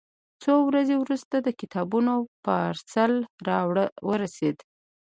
څو ورځې وروسته د کتابونو پارسل راورسېد.